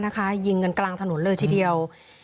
นะคะยิงกลางถนนเลยทีเดียว